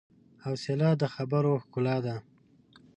حوصله د خبرو ښکلا ده.